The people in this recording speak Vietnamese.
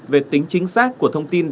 về tính chính xác của thông tin đăng ký